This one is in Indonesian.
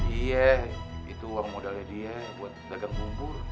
iya itu uang modalnya dia buat dagang bumbu